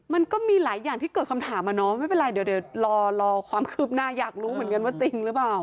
มันก็มีหลายอย่างที่เกิดคำถามอะเนาะไม่เป็นไรเดี๋ยวรอความคืบหน้าอยากรู้เหมือนกันว่าจริงหรือเปล่า